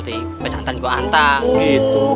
di pesantren ku nantai